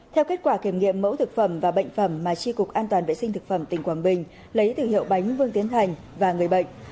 theo kết quả kiểm nghiệm mẫu thực phẩm và bệnh phẩm mà tri cục an toàn vệ sinh thực phẩm tỉnh quảng bình lấy từ hiệu bánh vương tiến thành và người bệnh